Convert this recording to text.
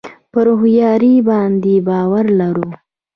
پر هوښیاري باندې باور لرو.